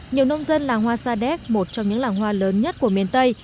nhiều nông dân làng hoa sa đéc một trong những làng hoa lớn nhất của miền tây